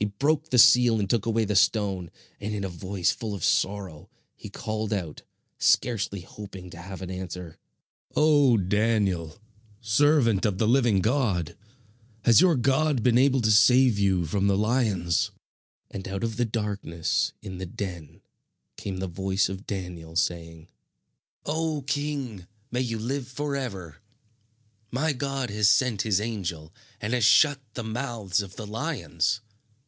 He broke the seal and took away the stone, and in a voice full of sorrow he called out, scarcely hoping to have an answer: "O Daniel, servant of the living God, has your God been able to save you from the lions?" And out of the darkness in the den came the voice of Daniel, saying: "O king, may you live forever! My God has sent his angel and has shut the mouths of the lions.